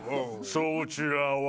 そちらは？